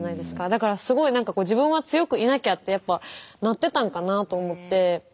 だからすごいなんかこう自分は強くいなきゃってやっぱなってたんかなと思って。